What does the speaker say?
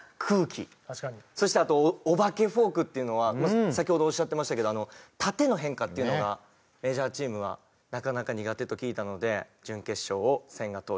そしてあとお化けフォークっていうのは先ほどおっしゃってましたけど縦の変化っていうのがメジャーチームはなかなか苦手と聞いたので準決勝を千賀投手。